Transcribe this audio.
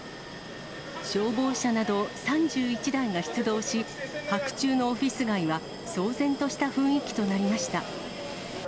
消防車など３１台が出動し、白昼のオフィス街は騒然とした雰囲気となりました。